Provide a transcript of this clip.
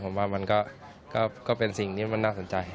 ผมว่ามันก็เป็นสิ่งที่มันน่าสนใจ